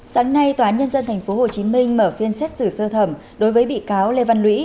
sáng nay tòa án nhân dân tp hcm mở phiên xét xử sơ thẩm đối với bị cáo lê văn lũy